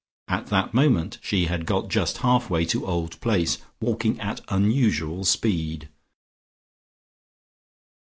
At that moment she had got just half way to Old Place, walking at unusual speed.